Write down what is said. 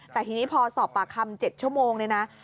แต่ทีนี้พอสอบปากคำ๗ชั่วโมงเนี่ยนะ